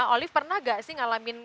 olive pernah gak sih ngalamin